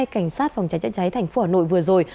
cảnh sát phòng cháy chữa cháy thành phố hà nội vừa rồi